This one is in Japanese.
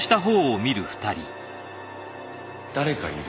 誰かいる？